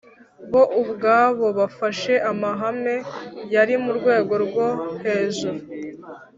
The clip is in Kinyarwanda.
bo ubwabo bafashe amahame yari mu rwego rwo hejuru